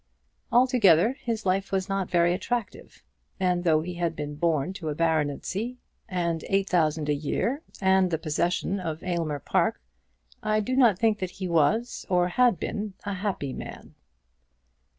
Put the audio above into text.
Altogether his life was not very attractive; and though he had been born to a baronetcy, and eight thousand a year, and the possession of Aylmer Park, I do not think that he was, or had been, a happy man.